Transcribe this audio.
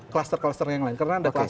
kluster kluster yang lain karena ada kluster